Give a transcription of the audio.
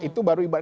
itu baru ibarat